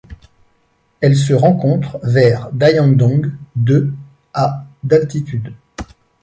Elle se rencontre vers Dayangdong de à d'altitude.